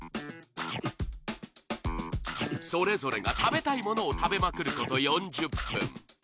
それぞれが食べたいものを食べまくること４０分